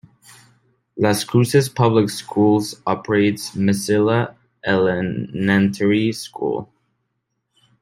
Las Cruces Public Schools operates Mesilla Elenentary School.